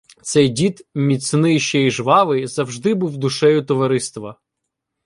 Цей дід, міцний ще і жвавий, завжди був душею товариства.